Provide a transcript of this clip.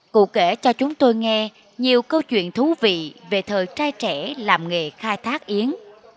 cụ kể cho chúng tôi nghe nhiều câu chuyện thú vị về thời trai trẻ làm nghề khai thác yến